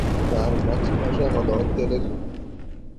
তাঁর মাতৃভাষা হল তেলুগু।